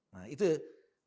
nah itu ya